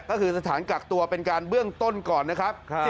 ก็คือสถานกักตัวเป็นการเบื้องต้นก่อนนะครับ